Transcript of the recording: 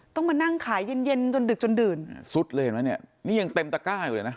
ต้องมานั่งขายเย็นจนดึกจนดื่นซุดเลยมั้ยนี่ยังเต็มตะก้ายอยู่เลย